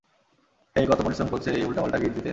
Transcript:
হেই, কত পরিশ্রম করছে এই উল্টাপাল্টা গিট দিতে?